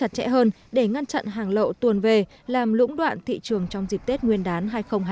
chặt chẽ hơn để ngăn chặn hàng lậu tuồn về làm lũng đoạn thị trường trong dịp tết nguyên đán hai nghìn hai mươi